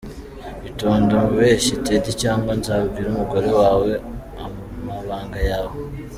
Itonde umubeshyi Ted cyangwa nzabwire umugore wawe amabanga yawe.